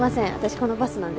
このバスなんで。